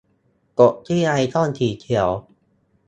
กดที่ไอคอนสีเขียว